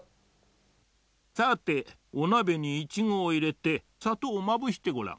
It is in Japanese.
さておなべにイチゴをいれてさとうをまぶしてごらん。